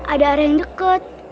ada area yang deket